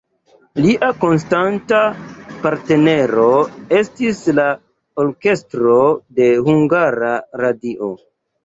Lia konstanta partnero estis la orkestro de Hungara Radio.